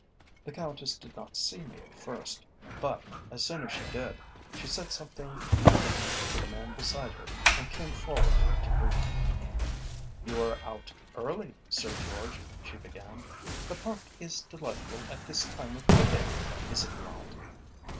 The Countess did not see me at first, but, as soon as she did, she said something hurriedly to the man beside her and came forward to greet me. "You are out early, Sir George," she began. "The Park is delightful at this time of the day, is it not?"